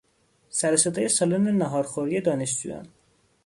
سر و صدای سالن ناهارخوری دانشجویان